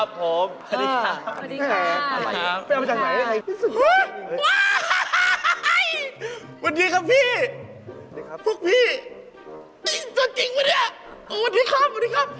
บุคคล